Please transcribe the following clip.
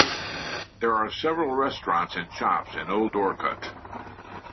There are several restaurants and shops in Old Orcutt.